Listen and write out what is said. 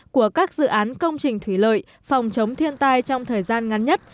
của các dự án công trình thủy lợi phòng chống thiên tai trong thời gian ngắn nhất